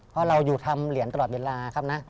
เพราะเราอยู่ทำเหรียญตลอดเวลาครับนะ